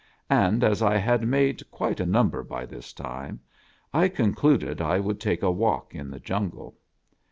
And as I had made quite a number by this time, I concluded I would take a walk in the jungle.